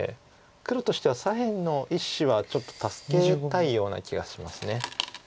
黒としては左辺の１子はちょっと助けたいような気がします。